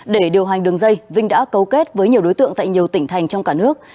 để điều hành đường dây vinh đã cấu kết với nhiều đối tượng tại nhiều tỉnh thành trong cả nước